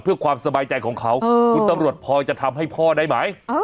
เพื่อความสบายใจของเขาคุณตำรวจพอจะทำให้พ่อได้ไหม